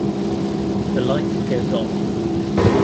The light goes off.